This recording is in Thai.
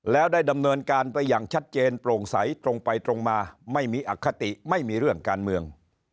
แล้วได้ดำเนินการไปอย่างชัดเจนโปร่งใสตรงไปตรงมาไม่มีอคติไม่มีเรื่องการเมือง